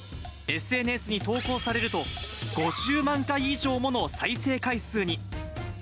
ＳＮＳに投稿されると、５０万回以上もの再生回数に。